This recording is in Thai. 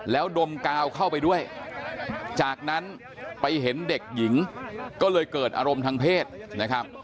แล้วดมกาวเข้าไปด้วยจากนั้นไปเห็นเด็กหญิงก็เลยเกิดอารมณ์ทางเพศนะครับ